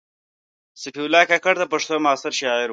صفي الله کاکړ د پښتو معاصر شاعر و.